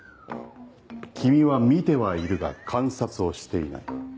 君は見てはいるが観察をしていない。